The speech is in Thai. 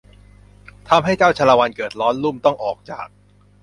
ทำให้เจัาชาละวันเกิดร้อนลุ่มต้องออกจาก